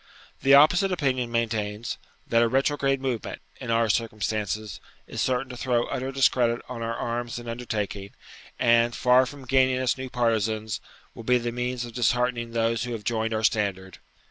The opposite opinion maintains, that a retrograde movement, in our circumstances, is certain to throw utter discredit on our arms and undertaking; and, far from gaining us new partizans, will be the means of disheartening those who have joined our standard.